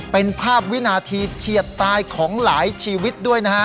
เป็นภาพวินาทีเฉียดตายของหลายชีวิตด้วยนะฮะ